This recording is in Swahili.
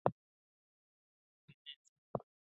Nifinyange, nitengeneze